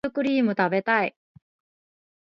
シュークリーム食べたい